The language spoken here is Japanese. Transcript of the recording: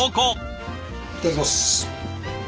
いただきます。